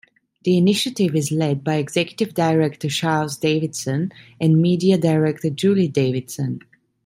The initiative is led by Executive Director Charles Davidson and Media Director Julie Davidson.